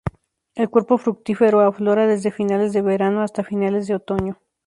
El cuerpo fructífero aflora desde finales de verano hasta finales de otoño.